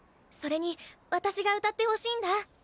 それに私が歌ってほしいんだ。